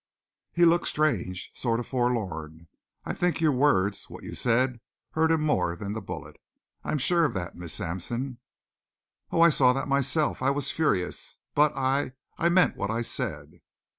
"He looked strange, sort of forlorn. I think your words what you said hurt him more than the bullet. I'm sure of that, Miss Sampson." "Oh, I saw that myself! I was furious. But I I meant what I said."